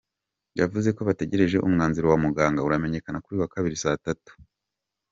Yavuze ko bategereje umwanzuro wa muganga, uramenyekana kuri uyu wa Kabiri saa tatu.